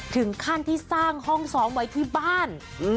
ถึงขั้นที่สร้างห้องซ้อมไว้ที่บ้าน